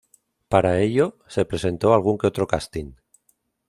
Para ello, se presentó a algún que otro casting.